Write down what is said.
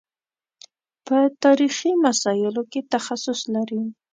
په تاریخي مسایلو کې تخصص لري.